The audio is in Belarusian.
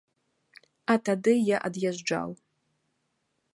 А тады я ад'язджаў.